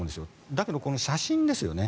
だけど、写真ですよね。